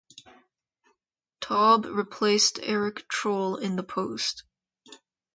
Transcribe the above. Taube replaced Eric Trolle in the post.